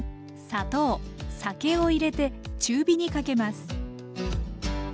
砂糖酒を入れて中火にかけます。